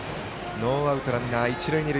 ノーアウト、ランナー、一塁二塁。